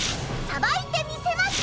さばいてみせます。